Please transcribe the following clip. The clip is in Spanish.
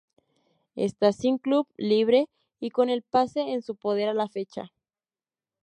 Está sin club, libre y con el pase en su poder, a la fecha.